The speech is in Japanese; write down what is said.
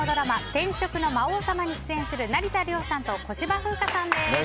「転職の魔王様」に出演する成田凌さんと小芝風花さんです。